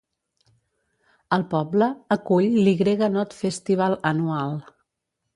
El poble acull l'Y Not Festival anual.